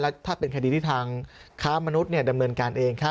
แล้วถ้าเป็นคดีที่ทางค้ามนุษย์เนี่ยดำเนินการเองครับ